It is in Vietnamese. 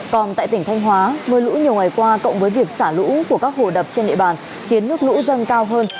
còn tại tỉnh thanh hóa mưa lũ nhiều ngày qua cộng với việc xả lũ của các hồ đập trên địa bàn khiến nước lũ dâng cao hơn